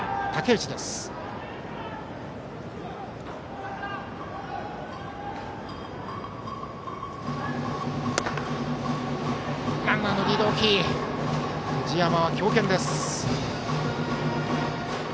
藤山は強肩です。